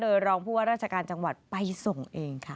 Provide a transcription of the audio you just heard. โดยรองผู้ว่าราชการจังหวัดไปส่งเองค่ะ